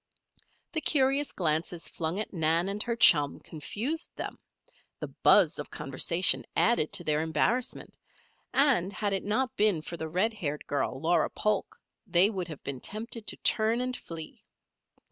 The curious glances flung at Nan and her chum confused them, the buzz of conversation added to their embarrassment, and had it not been for the red haired girl, Laura Polk, they would have been tempted to turn and flee.